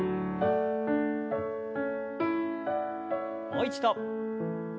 もう一度。